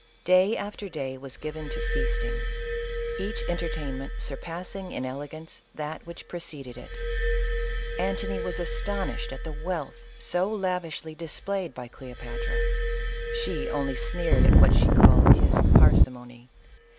Day after day was given to feasting — each enter tainment surpassing in elegance that which preceded it. Antony was astonished at the wealth so lavishly displayed by Cleopatra. She only sneered at what she CLEOPATRA. 89 called his parsimony.